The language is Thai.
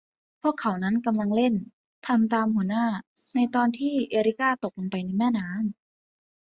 พวกเขานั้นกำลังเล่น ทำตามหัวหน้า ในตอนที่ เอริก้าตกลงไปในแม่น้ำ